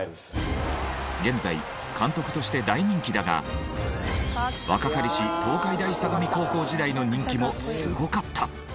現在監督として大人気だが若かりし東海大相模高校時代の人気もすごかった。